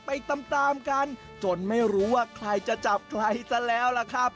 ไปตามตามกันจนไม่รู้ว่าใครจะจับใครซะแล้วล่ะครับ